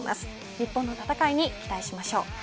日本の戦いに期待しましょう。